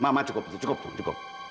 mama cukup cukup cukup